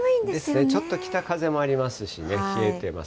ですね、ちょっと北風もありますし、冷えてます。